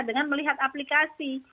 dengan melihat aplikasi